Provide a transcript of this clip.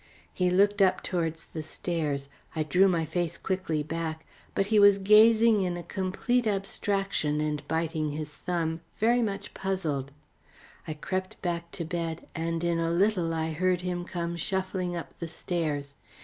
He looked up towards the stairs, I drew my face quickly back; but he was gazing in a complete abstraction, and biting his thumb, very much puzzled. I crept back to bed and in a little I heard him come shuffling up the stairs.